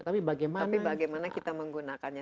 tapi bagaimana kita menggunakannya